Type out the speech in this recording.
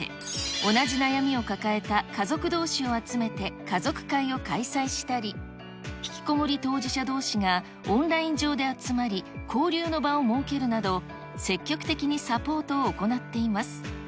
同じ悩みを抱えた家族どうしを集めて、家族会を開催したり、ひきこもり当事者どうしがオンライン上で集まり、交流の場を設けるなど、積極的にサポートを行っています。